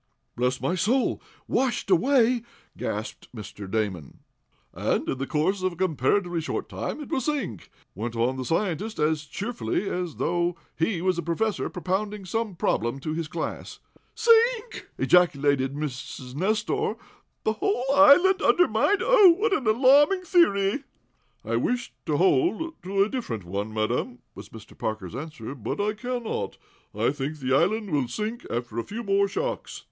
"Bless my soul! Washed away!" gasped Mr. Damon. "And, in the course of a comparatively short time, it will sink," went on the scientist, as cheerfully as though he was a professor propounding some problem to his class. "Sink!" ejaculated Mrs. Nestor. "The whole island undermined! Oh, what an alarming theory!" "I wish I could hold to a different one, madam," was Mr. Parker's answer, "but I cannot. I think the island will sink after a few more shocks."